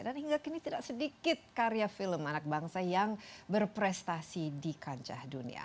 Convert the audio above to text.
dan hingga kini tidak sedikit karya film anak bangsa yang berprestasi di kancah dunia